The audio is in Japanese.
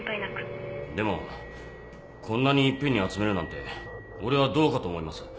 でもこんなにいっぺんに集めるなんて俺はどうかと思います。